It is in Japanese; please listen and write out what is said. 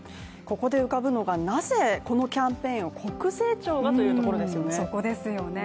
ここで浮かぶのがなぜ、このキャンペーンを国税庁が？というところですよね。